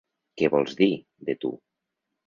Què vols dir, de tu?